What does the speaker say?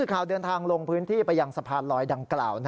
ข่าวเดินทางลงพื้นที่ไปยังสะพานลอยดังกล่าว